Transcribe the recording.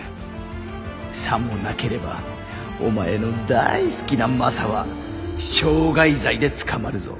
さもなければお前の大好きなマサは傷害罪で捕まるぞ。